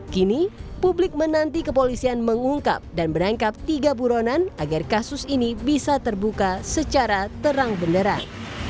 kini publik menanti kepolisian mengungkap dan menangkap tiga buronan agar kasus ini bisa terbuka secara terang beneran